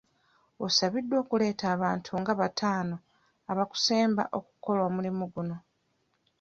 Osabiddwa okuleeta abantu nga bataano abakusemba okukola omulimu guno.